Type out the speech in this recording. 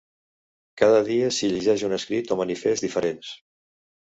Cada dia s’hi llegeix un escrit o manifest diferents.